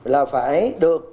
là phải đưa ra